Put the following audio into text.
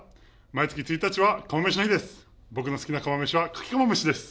毎月１日は釜飯の日です。